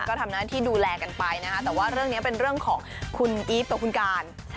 ก็ทำหน้าที่ดูแลกันไปนะคะแต่ว่าเรื่องนี้เป็นเรื่องของคุณอีฟกับคุณการ